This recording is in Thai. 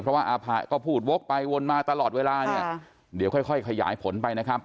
เพราะว่าอาผะก็พูดวกไปวนมาตลอดเวลาเนี่ยเดี๋ยวค่อยขยายผลไปนะครับ